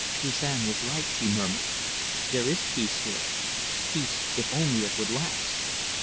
"Suzanne was right," she murmured, "there is peace here peace, if only it would last!"